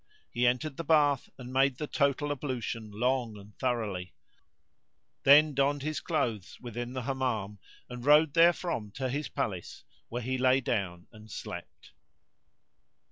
He entered the bath and made the total ablution long and thoroughly; then donned his clothes within the Hammam and rode therefrom to his palace where he lay him down and slept.